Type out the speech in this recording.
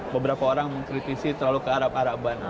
beberapa orang mengkritisi terlalu kearab araban